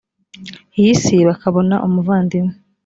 iyi si bakabona umuvandimwe